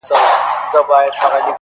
ما یې تنې ته زلمۍ ویني اوبه خور ورکاوه٫